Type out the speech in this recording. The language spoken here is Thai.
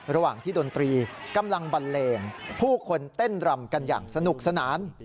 ระหว่างที่ดนตรีกำลังบันเลงผู้คนเต้นรำกันอย่างสนุกสนาน